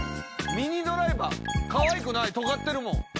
ミニドライバーカワイくないとがってるもん。